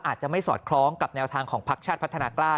อาจจะไม่สอดคล้องกับแนวทางของพักชาติพัฒนากล้า